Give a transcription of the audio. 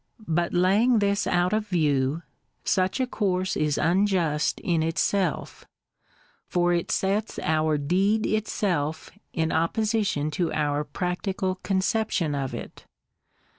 Hut laying this out of new, Buch a. course is \mjust in itself, for it sets our Joed itself in opposition to our practical conception of it.